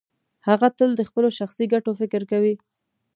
هغه تل د خپلو شخصي ګټو فکر کوي.